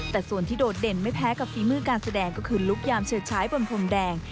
แต่ส่วนที่โดดเด่นไม่แพ้กับฝีมือการแสดงก็คือลุคยามเฉิดใช้บนพรมแดง